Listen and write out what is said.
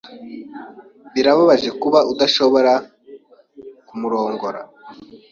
Birababaje kuba adashobora kumurongora.